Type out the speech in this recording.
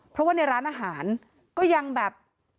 เพราะว่าในร้านอาหารก็ยังแบบ